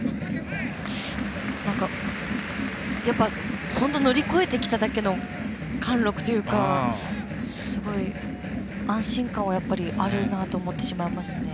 やっぱり、本当に乗り越えてきただけの貫禄というか、すごい安心感はあるなと思ってしまいますね。